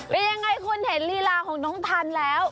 เป็นยังไงคุณเห็นลีลาของน้องทันแล้ว